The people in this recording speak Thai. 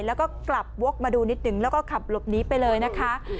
แล้วก็กลับวกมาดูนิดหนึ่งแล้วก็ขับหลบนี้ไปเลยนะคะ